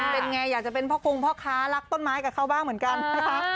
เป็นไงอยากจะเป็นพ่อคงพ่อค้ารักต้นไม้กับเขาบ้างเหมือนกันนะคะ